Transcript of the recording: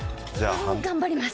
頑張ります。